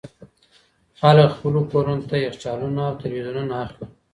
خلګ خپلو کورونو ته يخچالونه او ټلوېزيونونه اخلي.